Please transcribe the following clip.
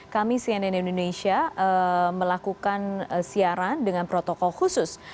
kami cnn indonesia melakukan siaran dengan protokol khusus